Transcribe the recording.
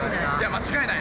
間違いない。